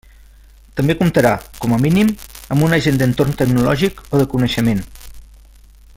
També comptarà, com a mínim, amb un agent d'entorn tecnològic o de coneixement.